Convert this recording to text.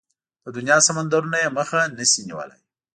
د دنيا سمندرونه يې مخه نشي نيولای.